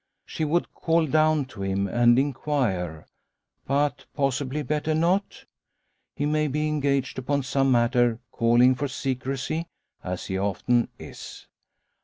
She would call down to him, and inquire. But possibly better not? He may be engaged upon some matter calling for secrecy, as he often is.